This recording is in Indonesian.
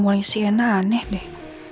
mulai mulai sienna aneh deh